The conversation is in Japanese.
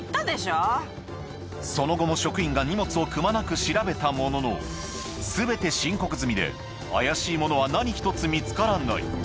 その後も職員が荷物をくまなく調べたものの怪しいものは何ひとつ見つからない